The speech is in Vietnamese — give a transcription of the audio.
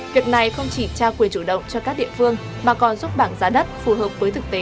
việc này không chỉ trao quyền chủ động cho các địa phương mà còn giúp bảng giá đất phù hợp với thực tế